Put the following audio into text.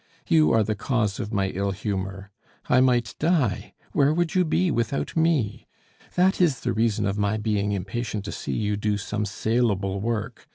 You are the cause of my ill humor. I might die; where would you be without me? That is the reason of my being impatient to see you do some salable work.